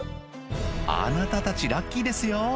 あなたたちラッキーですよ